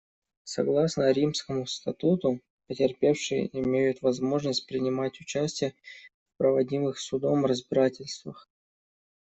Согласно Римскому статуту, потерпевшие имеют возможность принимать участие в проводимых Судом разбирательствах.